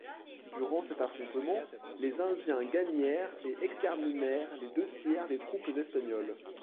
Durant cet affrontement, les Indiens gagnèrent et exterminèrent les deux tiers des troupes espagnoles.